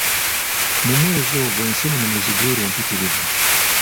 Mu mwezi ogwo enseenene mwezigwira empitirivu.